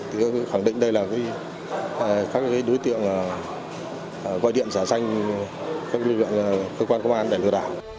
tôi khẳng định đây là các đối tượng gọi điện giả danh các cơ quan công an để lừa đảo